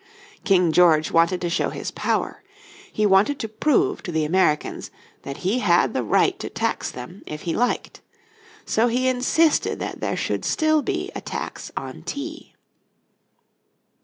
King George wanted to show his power. He wanted to prove to the Americans that he had the right to tax them if he liked. So he insisted that there should still be a tax on tea.